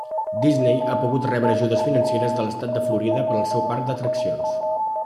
Disney ha pogut rebre ajudes financeres de l'estat de Florida per al seu parc d'atraccions.